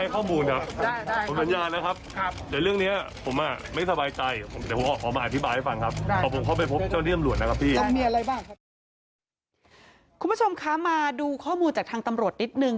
คุณผู้ชมคะมาดูข้อมูลจากทางตำรวจนิดนึง